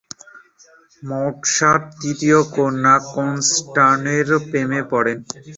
Mozart তৃতীয় কন্যা কনস্টানজের প্রেমে পড়েন।